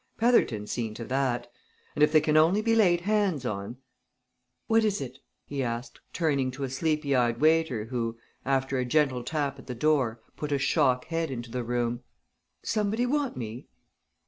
Petherton's seen to that. And if they can only be laid hands on What is it?" he asked turning to a sleepy eyed waiter who, after a gentle tap at the door, put a shock head into the room. "Somebody want me?"